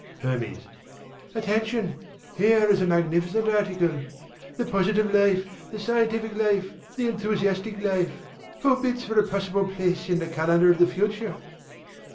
HERMES: Attention! Here is a magnificent article the Positive Life, the Scientific Life, the Enthusiastic Life. Who bids for a possible place in the Calendar of the Future?